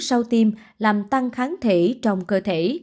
sau tiêm làm tăng kháng thể trong cơ thể